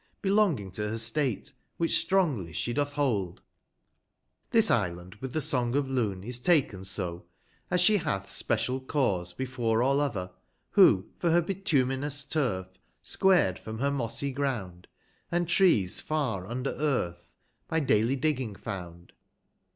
Belonging to her state, which strongly she doth hold : 28o This Island, with the Song of Lvn is taken so, As she hath special cause before all other, who For her bituminous turf, squar'd from her mossy ground. And trees far under earth (by daily digging found).